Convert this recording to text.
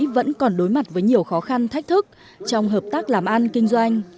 vẫn còn đối mặt với nhiều khó khăn thách thức trong hợp tác làm ăn kinh doanh